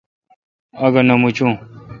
آگا نہ مچون۔